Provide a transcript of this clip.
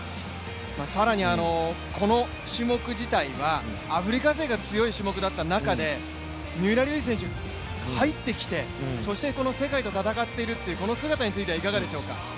更にこの種目自体はアフリカ勢が強い種目だった中で三浦龍司選手、入ってきて、そして世界と戦っているというこの姿についてはいかがでしょうか？